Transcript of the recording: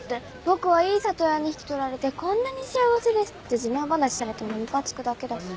「僕はいい里親に引き取られてこんなに幸せです」って自慢話されてもムカつくだけだし。